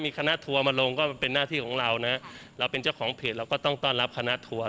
คณะทัวร์มาลงก็เป็นหน้าที่ของเรานะเราเป็นเจ้าของเพจเราก็ต้องต้อนรับคณะทัวร์